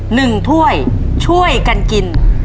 หนึ่งถ้วยช่วยกันกิน